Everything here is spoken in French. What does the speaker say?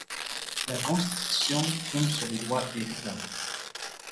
La Constitution prime sur les lois et règlements.